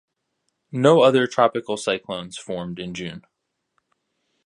No other tropical cyclones formed in June.